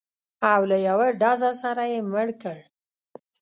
او له یوه ډزه سره یې مړ کړ.